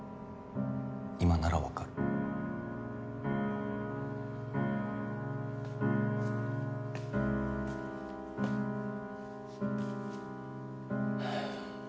今なら分かるはあ